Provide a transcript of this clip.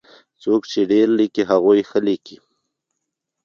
څوک چې ډېر ليکي هغوی ښه ليکي.